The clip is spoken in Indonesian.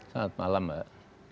selamat malam mbak